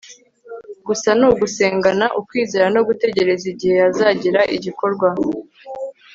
gusa ni ugusengana ukwizera no gutegereza igihe hazagira igikorwa